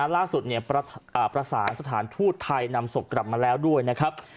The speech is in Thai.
ล่าสุดประสานสถานทูตไทยนำศพกลับมาแล้วด้วยนะครับ